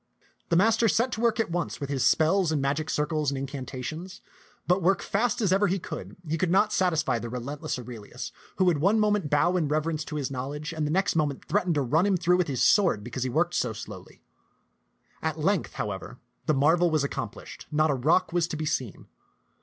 The master set to work 196 t^t ^xanUin's tatt at once with his spells and magic circles and incanta tions ; but, work as fast as ever he could, he could not satisfy the restless Aurelius, who would one moment bow in reverence to his knowledge and the next mo ment threaten to run him through with his sword because he worked so slowly. At length, however, the marvel was accomplished, not a rock was to be seen.